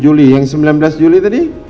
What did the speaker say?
juli yang sembilan belas juli tadi